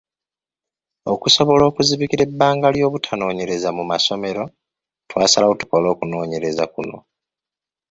Okusobola okuzibikira ebbanga ly'obutanoonyereza mu masomero, twasalawo tukole okunoonyereza kuno.